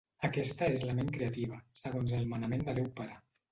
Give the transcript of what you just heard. Aquesta és la Ment creativa, segons el manament de Déu Pare.